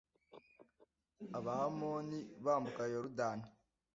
abahamoni bambuka yorudani